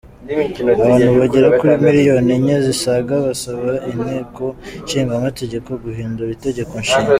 Abantu bagera kuri miliyoni enye zisaga basaba inteko nshinga mategeko guhindura itegeko nshinga.